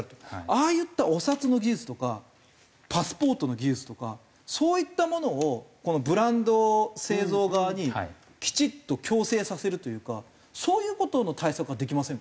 ああいったお札の技術とかパスポートの技術とかそういったものをブランド製造側にきちっと強制させるというかそういう事の対策はできませんか？